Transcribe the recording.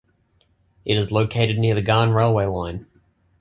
It is located near the Ghan railway line.